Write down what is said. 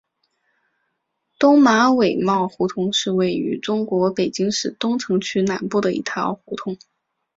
东马尾帽胡同是位于中国北京市东城区南部的一条胡同。